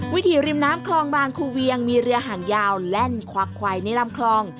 วิถีริมน้ำคลองบางคูเวียงมีเรือห่างยาวแล่นควักควายในลำคลอง